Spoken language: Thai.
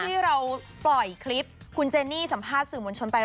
ที่เราปล่อยคลิปคุณเจนี่สัมภาษณ์สื่อมวลชนไป